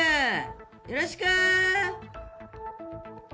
よろしく。